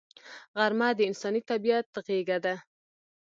غرمه د انساني طبیعت غېږه ده